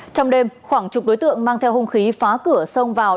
trong đêm khoảng chục đối tượng mang theo hông khí phá cửa sông vào